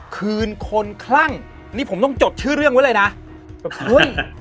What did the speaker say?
คืนคนคลั่งนี่ผมต้องจดชื่อเรื่องไว้เลยนะโอ้โห